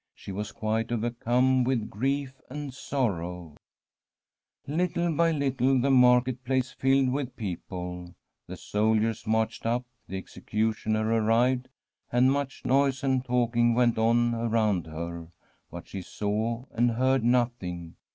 She was quite overcome with grief and sor row. (2731 Frpm a SWEDISH HOMESTEAD Little by little the Market Place filled with people. The soldiers marched up, the execu tioner arrived, and much noise and talking went on around her ; but she saw and heard nothing.